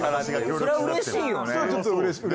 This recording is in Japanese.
それはうれしいよね。